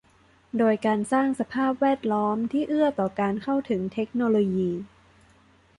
โดยการสร้างสภาพแวดล้อมที่เอื้อต่อการเข้าถึงเทคโนโลยี